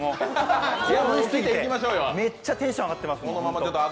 興奮しすぎて、めっちゃテンション上がってます。